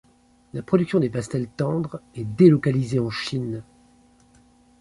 La production des pastels tendres est délocalisée en Chine.